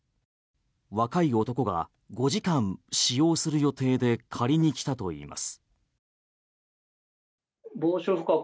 若い男が５時間使用する予定で借りに来たといいます。